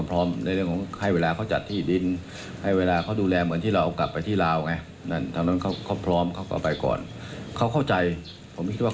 ผมคิดว่าเขาเข้าใจนะ